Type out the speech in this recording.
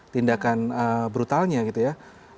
tindakan brutalnya gitu ya